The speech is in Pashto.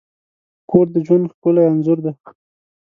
کور د ژوند ښکلی انځور دی.